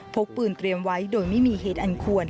พกปืนเตรียมไว้โดยไม่มีเหตุอันควร